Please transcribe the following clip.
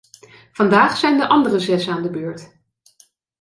Vandaag zijn de andere zes aan de beurt.